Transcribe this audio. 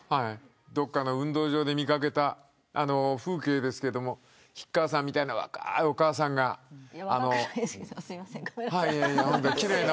どこかの運動場で見かけた風景ですけど菊川さんみたいな若いお母さんがサッカーをやっている